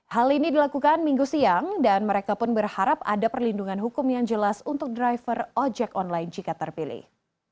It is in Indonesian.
hal ini dilakukan minggu siang dan mereka pun berharap ada perlindungan hukum yang jelas untuk driver ojek online jika terpilih